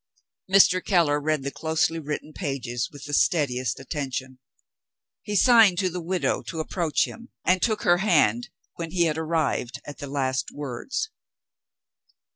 Mr. Keller read the closely written pages with the steadiest attention. He signed to the widow to approach him, and took her hand when he had arrived at the last words.